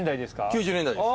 ９０年代です。